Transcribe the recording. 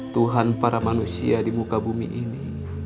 tuhan para manusia di muka bumi ini